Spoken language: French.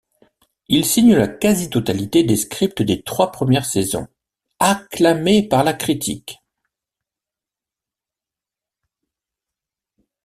Il signe la quasi-totalité des scripts des trois premières saisons, acclamées par la critique.